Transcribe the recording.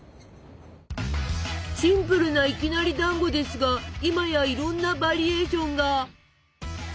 シンプルないきなりだんごですが今やいろんなバリエーションが！